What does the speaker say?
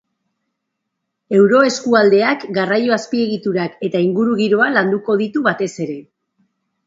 Euroeskualdeak garraio azpiegiturak eta ingurugiroa landuko ditu batez ere.